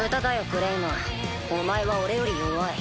クレイマンお前は俺より弱い。